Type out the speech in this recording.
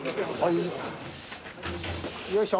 よいしょ。